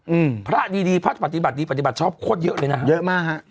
อืมพระดีดีพระปฏิบัติดีปฏิบัติชอบโคตรเยอะเลยนะฮะเยอะมากฮะ